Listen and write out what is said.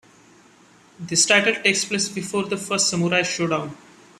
This title takes place before the first "Samurai Shodown".